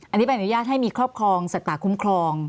อันนี้ใบอนุญาตให้มีครอบครองสัตว์ป่าคุ้มครอง